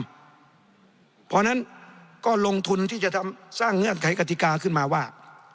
เพราะฉะนั้นก็ลงทุนที่จะสร้างเงื่อนไขกติกาขึ้นมาว่า